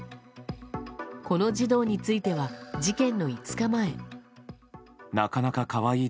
この児童については事件の５日前。